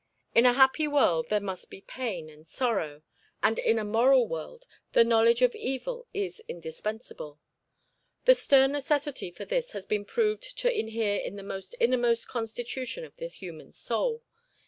In a happy world there must be pain and sorrow, and in a moral world the knowledge of evil is indispensable. The stern necessity for this has been proved to inhere in the innermost constitution of the human soul.